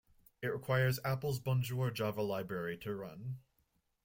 It requires Apple's Bonjour Java library to run.